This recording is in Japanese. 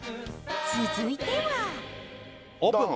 続いてはオープン！